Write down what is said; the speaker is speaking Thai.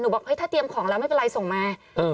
บอกเฮ้ยถ้าเตรียมของแล้วไม่เป็นไรส่งมา